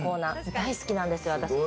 大好きなんです。